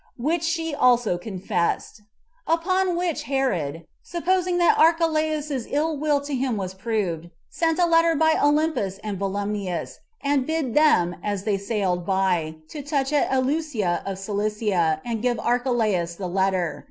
Which she also confessed. Upon which Herod, supposing that Archelaus's ill will to him was fully proved, sent a letter by Olympus and Volumnius; and bid them, as they sailed by, to touch at Eleusa of Cilicia, and give Archelaus the letter.